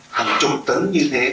hàng chục tấn như thế